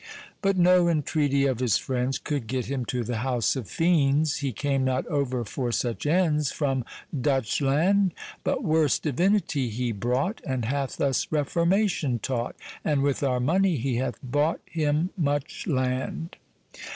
But no intreaty of his friends Could get him to the house of fiends, He came not over for such ends From Dutch land, But worse divinity hee brought, And hath us reformation taught, And, with our money, he hath bought Him much land.